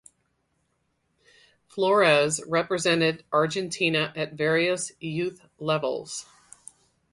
Flores represented Argentina at various youth levels.